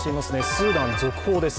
スーダンの続報です。